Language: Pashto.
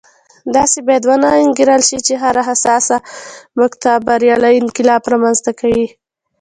داسې باید ونه انګېرل شي چې هره حساسه مقطعه بریالی انقلاب رامنځته کوي.